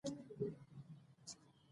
د نجونو تعليم د کورنيو ترمنځ همغږي زياتوي.